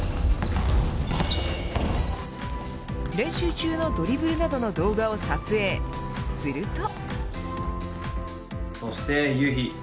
練習中のドリブルなどの動画を撮影すると。